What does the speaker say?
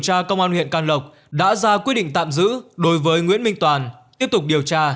tra công an huyện can lộc đã ra quyết định tạm giữ đối với nguyễn minh toàn tiếp tục điều tra